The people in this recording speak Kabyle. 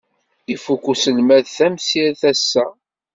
Ifukk uselmad tamsirt ass-a.